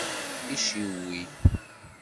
Iciwi.